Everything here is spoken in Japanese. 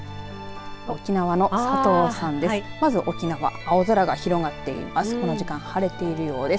沖縄の佐藤さんです。